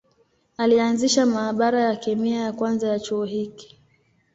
Alianzisha maabara ya kemia ya kwanza ya chuo hiki.